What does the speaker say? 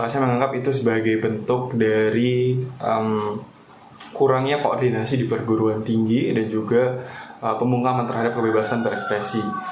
saya menganggap itu sebagai bentuk dari kurangnya koordinasi di perguruan tinggi dan juga pemungkaman terhadap kebebasan berekspresi